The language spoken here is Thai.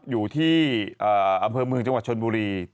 อยู่ที่อำเภอเมืองจังหวัดชนบุรี